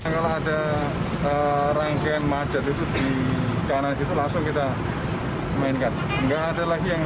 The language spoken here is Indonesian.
kalau ada rangkaian macet itu di kanan situ langsung kita mainkan enggak ada lagi yang